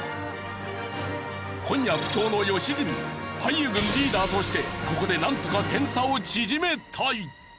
今夜不調の良純俳優軍リーダーとしてここでなんとか点差を縮めたい！